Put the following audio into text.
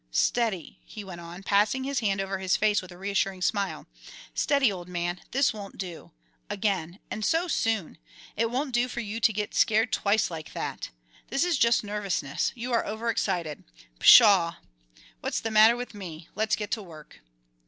Steady," he went on, passing his hand over his face with a reassuring smile; "steady, old man, this won't do, again and so soon! It won't do for you to get scared twice like that. This is just nervousness, you are overexcited. Pshaw! What's the matter with me? Let's get to work."